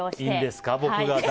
いいんですか、僕が。